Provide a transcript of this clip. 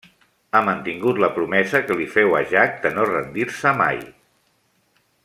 Ha mantingut la promesa que li féu a Jack de no rendir-se mai.